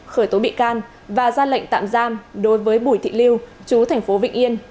khởi tố bị can và ra lệnh tạm giam đối với bùi thị lưu chú tp vịnh yên